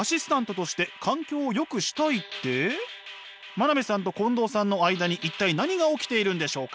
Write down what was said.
真鍋さんと近藤さんの間に一体何が起きているんでしょうか？